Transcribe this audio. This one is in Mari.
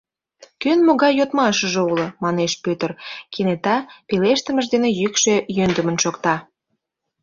— Кӧн могай йодмашыже уло? — манеш Пӧтыр, кенета пелештымыж дене йӱкшӧ йӧндымын шокта.